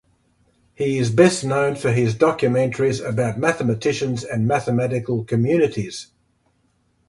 He is best known for his documentaries about mathematicians and mathematical communities.